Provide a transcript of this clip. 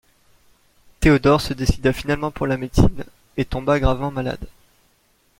Theodor se décida finalement pour la médecine et tomba gravement malade.